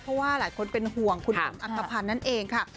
เพราะว่าหลายคนเป็นห่วงคุณอุ๋มอักภัณฑ์นั่นเองค่ะ